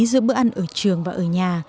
giữa bữa ăn ở trường và ở nhà